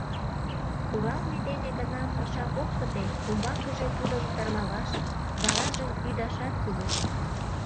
Куралме дене гына паша ок пыте, умбакыже тудым тырмалаш, варажым ӱдашат кӱлеш.